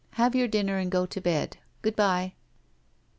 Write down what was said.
Have your dinner and go to bed. Good bye.